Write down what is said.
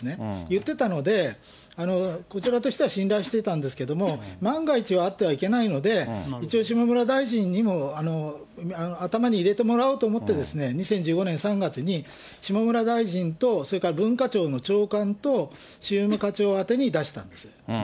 言ってたので、こちらとしては信頼してたんですけど、万が一があってはいけないので、一応、下村大臣にも頭に入れてもらおうと思って、２０１５年３月に、下村大臣とそれから文化庁の長官と宗務課長宛てに出したんです。